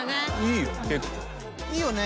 いいよね？